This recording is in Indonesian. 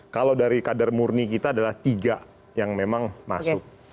kalau dari kader murni kita adalah tiga yang memang masuk